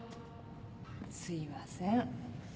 すいません。